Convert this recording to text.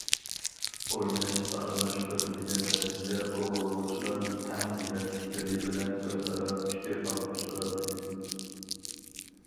ئويناش ئارىلاش ئۆتۈلگەن دەرستە ئوقۇغۇچىلار تەڭ دېمەتلىكلىرى بىلەن ئۆز- ئارا پىكىر ئالماشتۇرالايدۇ.